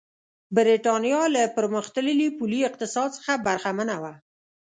برېټانیا له پرمختللي پولي اقتصاد څخه برخمنه وه.